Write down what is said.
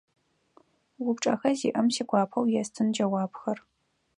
Упчӏэхэ зиӏэм сигуапэу естын джэуапхэр.